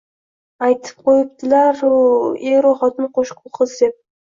Aytib qo‘yibdilar-g‘u, eru xotin qo‘sh ho‘kiz deb